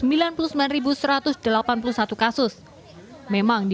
memang di bawah ini di jawa timur ada banyak kasus yang masih terjadi